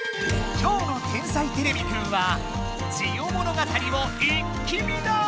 今日の「天才てれびくん」は「ジオ物語」を一気見だ！